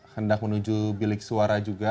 hendak menuju bilik suara juga